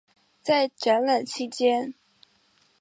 在展览期间。